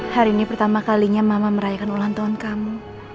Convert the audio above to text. hari ini pertama kalinya mama merayakan ulang tahun kamu